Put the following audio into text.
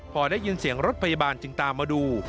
พอได้ยินเสียงรถพยาบาลจึงตามมาดู